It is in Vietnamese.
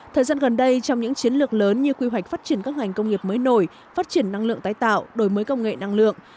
thời gian gần đây trong những chiến lược lớn như quy hoạch phát triển các ngành công nghiệp mới nổi phát triển năng lượng tái tạo đổi mới công nghệ năng lượng